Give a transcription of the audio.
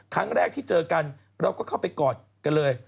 ครั้งแรกที่เจอกันเราก็เข้าไปกอดกันเลย